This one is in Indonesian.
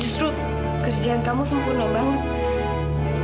justru kerjaan kamu sempurna banget